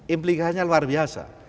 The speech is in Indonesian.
implikasinya luar biasa